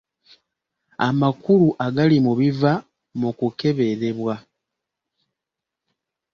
Amakulu agali mu biva mu kukeberebwa.